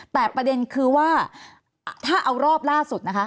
แต่ประเด็นคือว่าถ้าเอารอบล่าสุดนะคะ